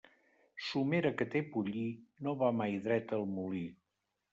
Somera que té pollí, no va mai dreta al molí.